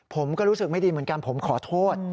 ผมก็รู้สึกไม่ดีเหมือนกันผมขอโทษ